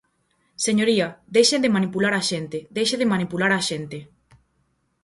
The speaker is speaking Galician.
Señoría, deixe de manipular a xente, deixe de manipular a xente.